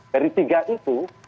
dari tiga itu